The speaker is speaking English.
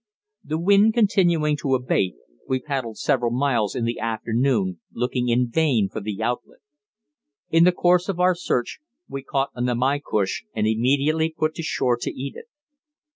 The wind continuing to abate, we paddled several miles in the afternoon looking in vain for the outlet. In the course of our search we caught a namaycush, and immediately put to shore to eat it.